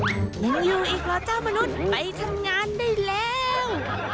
ยังอยู่อีกเหรอเจ้ามนุษย์ไปทำงานได้แล้ว